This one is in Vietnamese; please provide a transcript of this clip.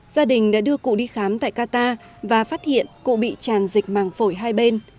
gia đình đã đưa cụ đi khám tại qatar và phát hiện cụ bị tràn dịch màng phổi hai bên